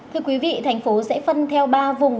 thưa quý vị thành phố sẽ phân theo ba vùng